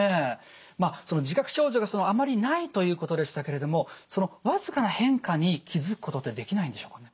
まあ自覚症状があまりないということでしたけれども僅かな変化に気付くことってできないんでしょうかね？